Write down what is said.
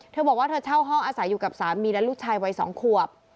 เธอบอกว่าเธอเช่าห้องอาศัยอยู่กับสามีและลูกชายวัย๒ขวบ